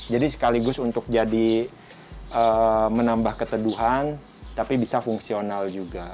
sekaligus untuk jadi menambah keteduhan tapi bisa fungsional juga